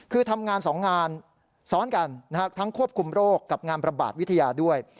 คือทำงาน๒งานซ้อนกันทั้งควบคุมโรคกับงานประบาดวิทยาด้วย